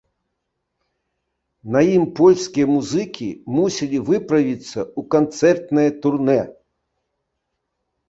На ім польскія музыкі мусілі выправіцца ў канцэртнае турнэ.